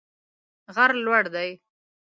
غر لوړ دی